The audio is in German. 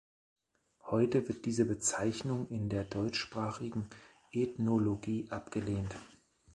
Heute wird diese Bezeichnung in der deutschsprachigen Ethnologie abgelehnt.